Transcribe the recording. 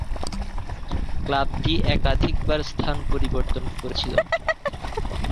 ক্লাবটি একাধিকবার স্থান পরিবর্তন করেছিল।